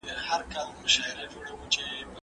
درې لسیان؛ دېرش کېږي.